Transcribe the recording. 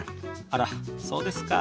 あらっそうですか。